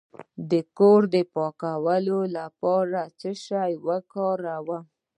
د کور د پاکوالي لپاره باید څه شی وکاروم؟